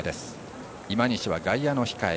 今西は外野の控え。